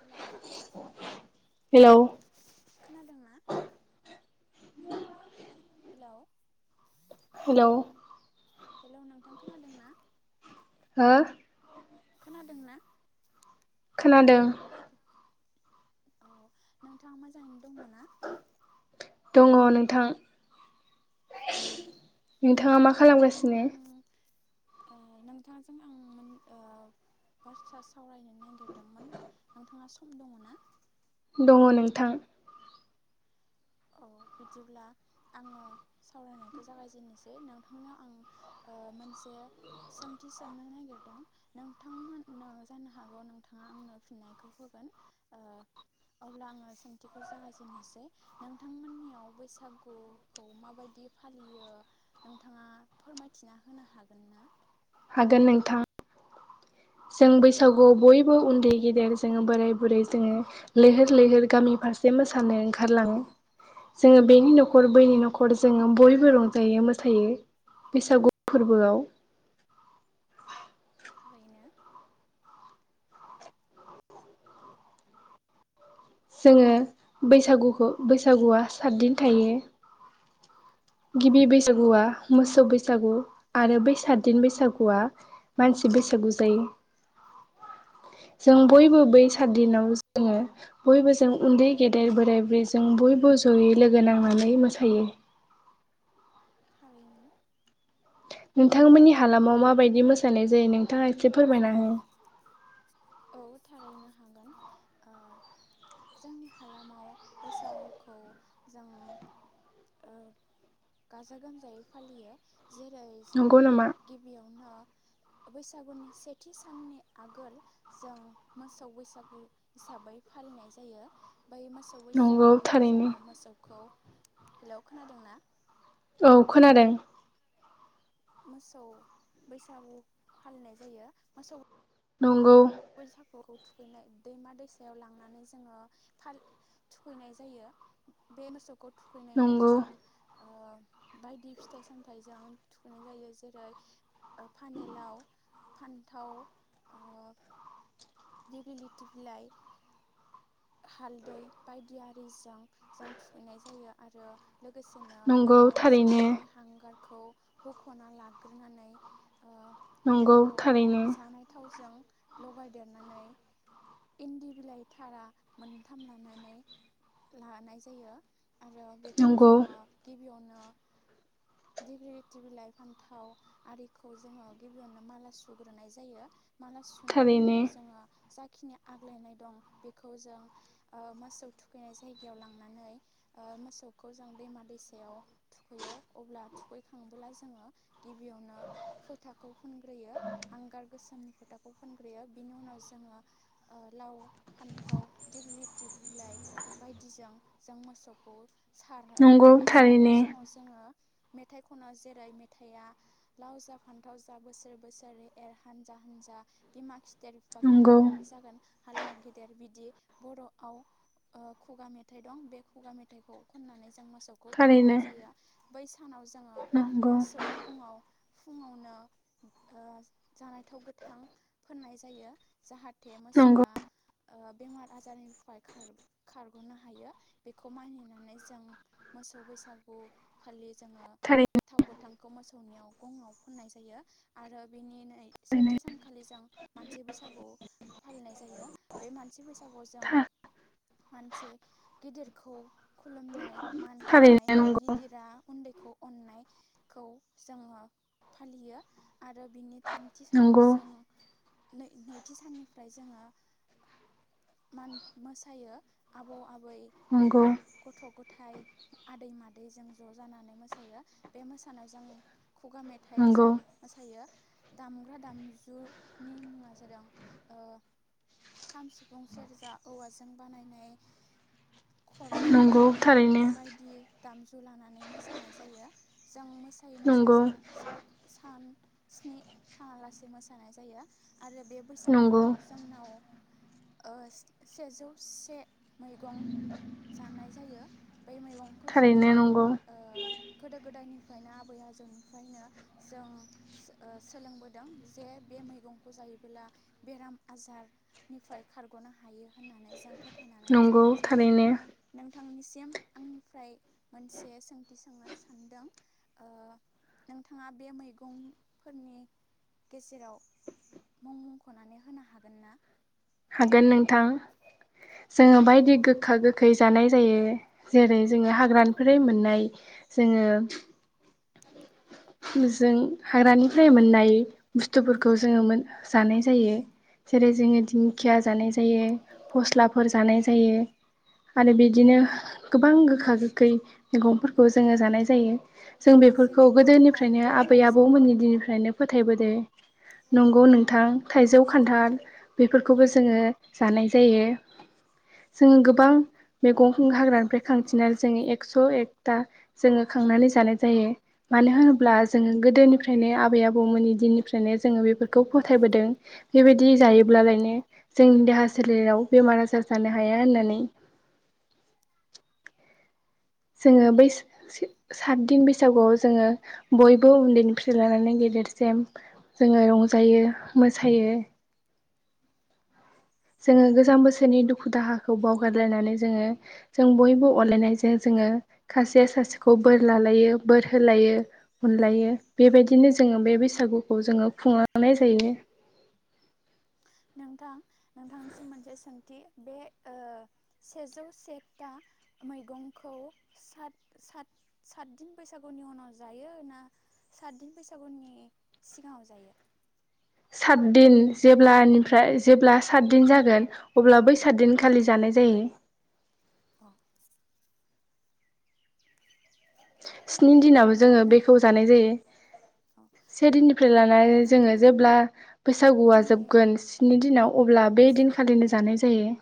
हेल' hello खोनादोंना [unintelligible] हेल' hello hello नोंथां खोनादों ना। हो। खोनादोंना। खोनादों। अ नोंथाङा मोजाङैनो दङ ना। दङ नोंथां। नोंथाङा मा नोंथांनियाव खालामगासिनो। आं ओ नोंथांजों आं मोन ओ बाथ्रा सावरायनो नागिरदोंमोन नोंथाङा सम दङ ना। दङ नोंथां। औ बिदिब्ला आङो सावरायनायखौ जागायजेनोसै नोंथांनियाव आं मोनसे सोंथि सोंनो नागिरदों नोंथांमोन जानो हागौ नोंथाङा आंनो फिननायखौ होगोन अब्ला आङो सोंथिखौ जागायजेनोसै नोंथांमोननियाव बैसागुखौ माबायदि फालियो नोंथाङा फोरमायथिना होनो हागोन ना। हागोन नोंथां जों बैसागुआव बयबो उन्दै गेदेर जोङो बोराय बुरै जोङो लैहोर लैहोर गामि फारसे मोसानो ओंखारलाङो जोङो बेनि न'खर बैनि न'खर जोङो बयबो रंजायो मोसायो बैसागु फोर्बोआव। थारैनो। जोङो हेलौ बैसागुखौ औ बैसागुआ सातदिन थायो। गिबि बैसागुआ थारैनो मोसौ बैसागु आरो बैसागु सााददिन बैसागुआ मानसि बैसागु जायो। जों औ बयबो बै साद दिनाव जोङो बयबो ज उन्दै गेदेर बोराइ ब्रैजों बयबो जयै लोगो नांनानै मोसायो। थारैनो। नोंथांमोननि हालामाव माबायदि मोसानाय जायो नोंथाङा एसे फोरमायना हो। बो थारैनो हागोन जोंनि हालामाव बैसागुखौ जों गाजा गोमजायै फालियो। जेरै नंगौ जोङो नामा? गिबियावनो। बैसागुनि सेथि साननि आगोल जों मोसौ बैसागु हिसाबै फालिनाय जायो। बै मोसौ नंगौ बैसागुआव थारैनो जोङो मोसौखौ। हेलौ खोनादों ना। औ खोनादों। मोसौ बैसागु फालिनाय जायो मोसौ। नंगौ बैसाखौ। दैमा दैसायाव लांनानै जोङो थुखैनाय जायो बे मोसौखौ थुखैनायाव नंगौ जों बायदि फिथाइ सामथाइजों थुखैनाय जायो जेरै फानेलाव फान्थाव दिबिलि तफलाइ हालदै बायदि आरिजों जों थुखैनाय जायो आरो। लोगोसेनो नंगौ थारैनो सारायनि हांगार खौ हख'ना लाग्रोनानै नंगौ बेखौ थारैनो जानाय थावजों लगायदेरनानै इन्दि बिलाइ थारा मोनथाम लानानै लानाय जायो। आरो बेखौ नंगौ जोङो गिबियावनो गथि बिलाइ फान्थाव आरिखौ जोङो गिबियावनो माला सुग्रोनाय जायो सुनायनि थारैनो उनाव जोङो जाखिनि आग्लायनाय दं बेखौ जों मोसौ थुखैनाय जायगायाव लांनानै मोसौखौ जों दैमा दैसायाव थुखैयो अब्ला थुखैखांबोब्ला जोङो गिबियावनो फोथाखौ फुनग्रोयो हांगार गोसोमनि फोथाखौ खौ फुनग्रोयो बिनि उनाव जोङो लाव फान्थाव दिग्लि दिफलाइ बायदिजों जों मोसौखौ सारो नंगौ बे थारैनो सारनाय समाव जोङो मेथाइ खनो जेरै मेथाइआ लाव जा फान्थाव जा बोसोर बोसोरै एर हान्जा हान्जा बेमा गेदेर बिफा नंगौ गेदेर नों जागोन हालुवा गेदेर बिदि बर'आव खुगा मेथाइ दं बे खुगा मेथाइखौ खननानै जों मोस मोसौखौ थारैनो थुखैनाय जायो बै सानाव जोङो नंगौ मोसौनि गुङाव फुङावनो जानायथाव गोथां फोननाय जायो जाहाथे नंगौ मोसौआ ओ बेमार आजारनिफ्राय‌ खार खारगनो हायो बेखौ मानिनानै जों मोसौ बैसागु खालि [unintelligible] थारैनो [unintelligible] मोसौनियाव गङाव फुननाय जायो आरो बेनि नै सेथि सान लि जों मानसि बैसागु फालिनाय जायो बे मानसि बैसागु जों मानसे गिदिरखौ खुलुमनाय मान होनाय थारैनो नंगौ गिदिरा उन्दैखौ अननायखौ जोङो फालियो आरो बिनि थामथि नंगौ सानावसो नैथि साननिफ्राय जोङो मान मोसायो आबौ आबै नंगौ मेथाइ आदै मादै जों ज जानानै मोसायो बे मोसानायाव जों खुगा मेथाइ मेथाइ नंगौ जों मोसायो दामग्रा दामजु नि मुङा जादों ओ खाम सिफुं सेरजा औवाजों बानायनाय खर नंगौ थारैनो दामजु लानानै मोसानाय जायो जों मोसायै मोसायै नंगौ जों सान स्नि साना लासे मोसायो जानाय जायो आरो बे नंगौ बैसागुआव जोंनाव ओ सेजौ से मैगं जानाय जायो बै मैगंखौ जोङो थारैनो नंगौ ओ गोदो गोदायनिफ्रायनो आबै आजौनिफ्रायनो जों सो ओ सोलोंबोदों जे बे मैगंखौ जायोबोला बेराम आजारनिफ्राय खारगनो हायो होननानै जों फोथायनानै नंगौ जानाय जायो थारैनो नोंथां नोंथांनिसिम आंनिफ्राय मोनसे सोंथि सोंनो सानदों ओ नोंथाङा बे मैगंफोरनि गेजेराव मुं मुंखनानै होनो हागोन ना हागोन नोंथां जोङो बायदि गोखा -गोखै जानाय जायो जेरै जोङो हाग्रानिफ्राय मोननाय जोङो जों हाग्रानिफ्राय मोननाय बुस्थुफोरखौ जोङो मोन जानाय जायो जेरै जोङो दिंखिया जानाय जायो फस्लाफोर जानाय जायो आरो बिदिनो गोबां गोखा -गोखै मैगंफोरखौ जोङो जानाय जायो जों बेफोरखौ जेरै खान्थाल गोदोनिफ्रायनो आबै थाइजौ -आबौमोननि दिननिफ्रायनो फोथायबो दो नंगौ नोंथां थाइजौ खान्थाल बे बेखौबो जोङो जानाय जायो जोङो गोबां मैगं हाग्रानिफ्राय खांथिनानै जोङो एकस एकथा जोङो खांनानै जानाय जायो मानो होनोब्ला जोङो गोदोनिफ्रायनो आबै -आबौमोननि दिननिफ्रायनो जोङो बेफोरखौ फोथायबोदों बेबायदि जायोब्लालायनो जोंनि देहा सोलेराव बेमार आजार जानो हाया होननानै जोङो बै सातदिन बैसागुआव जोङो बयबो उन्दैनिफ्राय लानानै गेदेरसिम जोङो रंजायो मोसायो जोङो गोजाम बोसोरनि दुखु दाहाखौ बावगारलायनानै जोङो जों बयबो अनलायनायजों जोङो खासेया सासेखौ बोर लालायो बोर होलायो अनलायो बेबायदिनो जोङो बे बैसागुखौ जोङो खुंलांनाय जायो नोंथां नोंथांनिसिम मोनसे सोंथि बे ओ सेजौ से था मैगंखौ सात सात सातदिन बैसागुनि उनाव जायो ना सातदिन बैसागुनि सिगाङाव जायो सातदिन जेब्लानिफ्राय जेब्ला सातदिन जागोन अब्ला बै सातदिन खालि जानाय जायो अ [inaudible] स्नि दिनाव जोङो नों बेखौ जानाय जायो अ से दिननिफ्राय लानानै जोङो जेब्ला नोंथांमोननि बैसागुआ जोबगोन स्नि दिनाव अब्ला बे मोस दिनखालिनो जानाय जायो जायो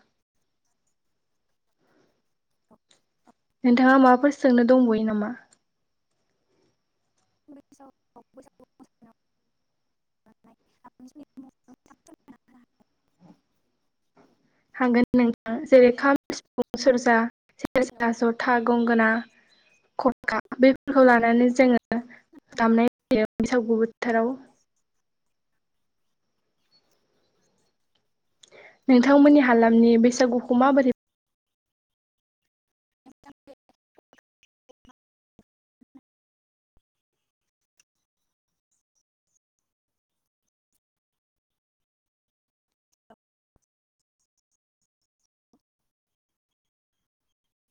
नोंथाङा माबाफोर सोंनो दंबयो नामा [unintelligible] बैसागु मोसानायाव [unintelligible] हागोन नोंथां जेरै खाम, सिफुं, सेरजा मोसानायाव सेरजा, जथा [unintelligible] गंगोना, खखा बेफोरखौ लानानै जोङो दामनाय जायो बैसागु बोथोराव नोंथांमोननि हालामनि बैसागुखौ माबोरै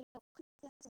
मोननाय